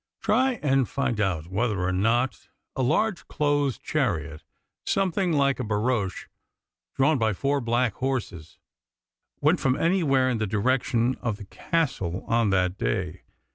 Try and find out whether or not a large closed chariot something like a barouche, drawn by four black horses, went from anywhere in the direction of the Castle on that day.